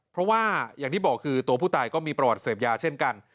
เพราะว่าอย่างที่บอกคือตัวผู้ตายก็มีประวัติเสพยาเช่นกัน